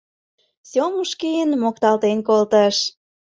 — Сёмушкин мокталтен колтыш.